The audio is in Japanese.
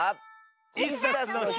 「イスダスのひ」